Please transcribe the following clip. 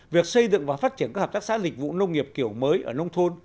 việc xây dựng và phát triển các hợp tác xã dịch vụ nông nghiệp kiểu mới ở nông thôn